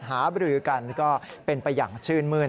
หาบรือกันก็เป็นประหยังชื่นมืน